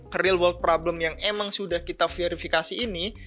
ke real world problem yang emang sudah kita verifikasi ini